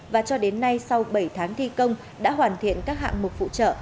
và cho đến nay sau bảy tháng thi công đã hoàn thiện các hạng mục phụ trợ